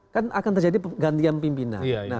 kan akan terjadi penggantian pimpinan